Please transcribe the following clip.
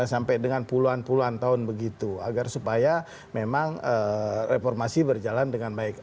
sampai dengan puluhan puluhan tahun begitu agar supaya memang reformasi berjalan dengan baik